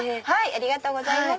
ありがとうございます。